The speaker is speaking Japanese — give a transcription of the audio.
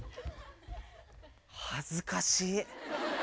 恥ずかしい。